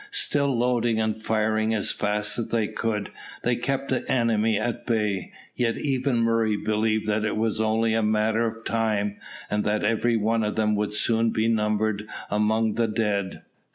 Still, loading and firing as fast as they could, they kept the enemy at bay. Yet even Murray believed that it was only a matter of time, and that every one of them would soon be numbered among the dead.